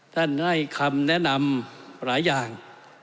ท่านให้คำแนะนำหลายอย่าง